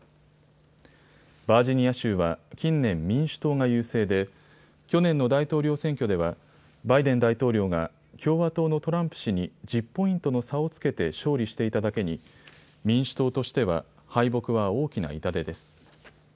バージニア州は近年、民主党が優勢で去年の大統領選挙ではバイデン大統領が共和党のトランプ氏に１０ポイントの差をつけて勝利していただけに民主党としては敗北は大きな痛手です。